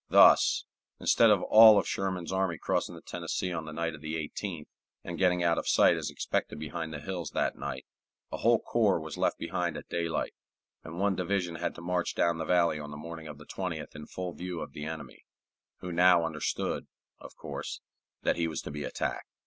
Thus, instead of all of Sherman's army crossing the Tennessee on the night of the 18th, and getting out of sight as expected behind the hills that night, a whole corps was left behind at daylight, and one division had to march down the valley on the morning of the 20th in full view of the enemy, who now understood, of course, that he was to be attacked.